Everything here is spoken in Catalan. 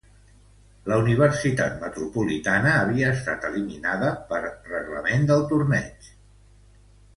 La Universitat Metropolitana havia estat eliminada per reglament del torneig.